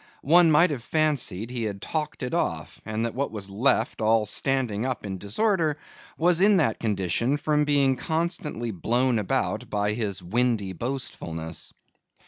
One might have fancied he had talked it off; and that what was left, all standing up in disorder, was in that condition from being constantly blown about by his windy boastfulness.